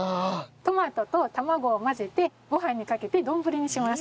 トマトと卵を混ぜてご飯にかけて丼にします。